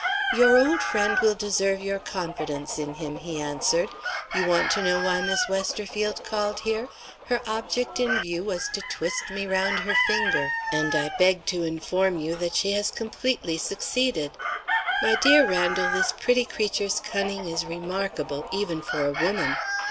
"Your old friend will deserve your confidence in him," he answered. "You want to know why Miss Westerfield called here. Her object in view was to twist me round her finger and I beg to inform you that she has completely succeeded. My dear Randal, this pretty creature's cunning is remarkable even for a woman.